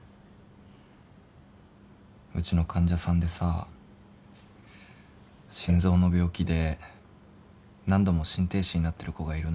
うちの患者さんでさ心臓の病気で何度も心停止になってる子がいるんだけど。